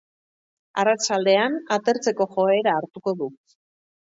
Arratsaldean atertzeko joera hartuko du.